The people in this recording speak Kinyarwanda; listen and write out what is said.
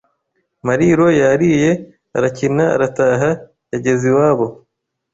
Mariro yariye, arakina, arataha yagezeiwabo.